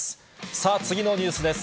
さあ、次のニュースです。